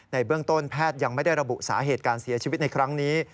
เบื้องต้นแพทย์ยังไม่ได้ระบุสาเหตุการเสียชีวิตในครั้งนี้